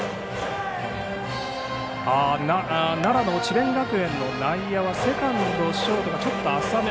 奈良の智弁学園の内野はセカンドショートがちょっと浅め。